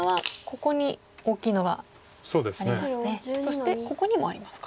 そしてここにもありますか。